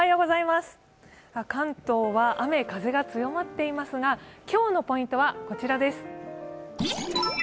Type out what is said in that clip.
関東は雨・風が強まっていますが今日のポイントはこちらです。